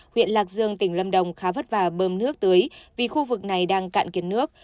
huyện lạc dương tỉnh lâm đồng khá vất vả bơm nước tưới vì khu vực này đang cạn kiệt nước